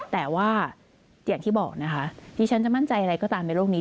แต่ว่าอย่างที่บอกนะคะที่ฉันจะมั่นใจอะไรก็ตามในโลกนี้